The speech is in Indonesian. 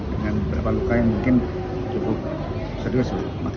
dengan berapa luka yang mungkin cukup serius